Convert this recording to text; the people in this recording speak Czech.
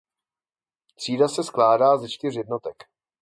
Třída se skládá ze čtyř jednotek.